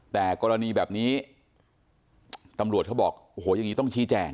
แต่กรณีแบบนี้ตำรวจเขาบอกโอ้โหอย่างนี้ต้องชี้แจง